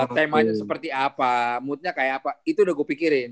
temanya seperti apa moodnya kayak apa itu udah gue pikirin